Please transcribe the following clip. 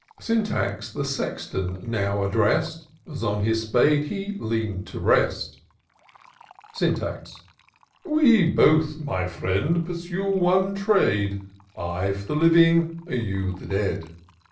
Sjnitax the Sexton now addressed. As on his spade he lean'd to rest. Syntax. " We both, my fi:iend, pursue one trade, I for the living, you the dead.